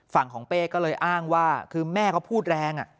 ฝั่งของเป้ก็เลยอ้างว่าคือแม่เขาพูดแรง